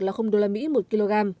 là usd một kg